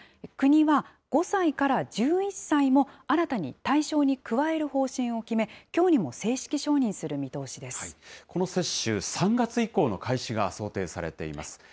国は、５歳から１１歳も、新たに対象に加える方針を決め、きょうにも正式承認する見通しでこの接種、３月以降の開始が想定されています。